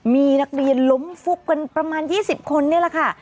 มีนักเรียนล้มฟุบกันประมาณ๒๐คนนี่แหละค่ะ